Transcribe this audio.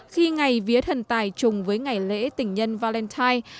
khi ngày vía thần tài chùng với ngày lễ tỉnh nhân valentine